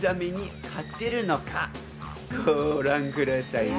ご覧くださいね。